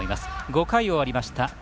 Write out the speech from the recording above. ５回を終わりました。